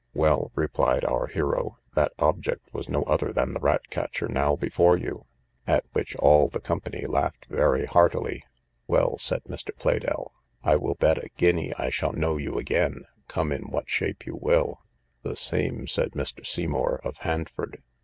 Well, replied our hero, that object was no other than the rat catcher now before you: at which all the company laughed very heartily. Well, said Mr. Pleydell, I will bet a guinea I shall know you again, come in what shape you will: the same said Mr. Seymour, of Handford.